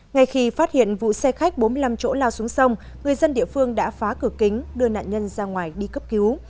ngay khi phát hiện vụ xe khách bốn mươi năm chỗ lao xuống sông người dân địa phương đã phá cửa kính đưa nạn nhân ra ngoài đi cấp cứu